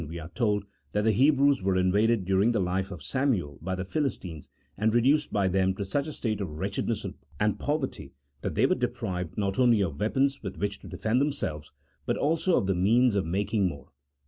we are told that the Hebrews were invaded during the life of Samuel by the Philistines, and reduced by them to such a state of wretchedness and poverty that they were deprived not only of weapons with which to defend themselves, but also of the means of making more.